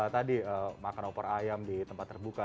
tadi makan opor ayam di tempat terbuka